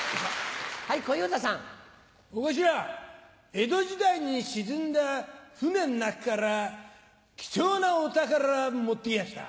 江戸時代に沈んだ船の中から貴重なお宝持ってきやした。